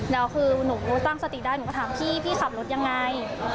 แล้วคือหนูตั้งสติได้หนูก็ถามพี่พี่ขับรถยังไง